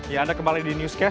ya anda kembali di newscast